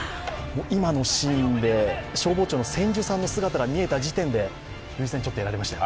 今のシーンで消防庁の千住さんの姿が見えた時点で涙腺ちょっとやられましたよ。